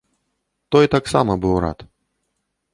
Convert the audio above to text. Той таксама быў рад.